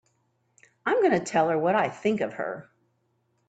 I'm going to tell her what I think of her!